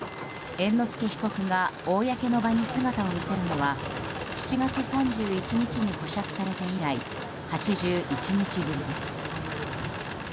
猿之助被告が公の場に姿を見せるのは７月３１日に保釈されて以来８１日ぶりです。